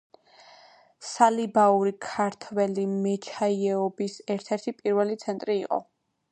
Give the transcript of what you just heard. სალიბაური ქართული მეჩაიეობის ერთ-ერთი პირველი ცენტრი იყო.